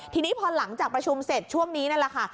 ทีนี้พอหลังจากประชุมเสร็จช่วงนี้นั่นแหละค่ะ